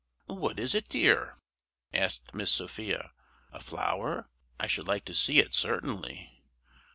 "What is it, dear?" asked Miss Sophia. "A flower? I should like to see it, certainly."